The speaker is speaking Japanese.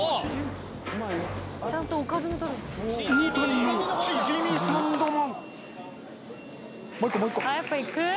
大谷のチヂミサンドも。